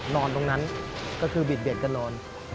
นอนตรงนั้นก็คือบิดเบียดกันนอน